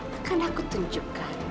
akan aku tunjukkan